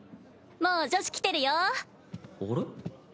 もう女子来てるよ。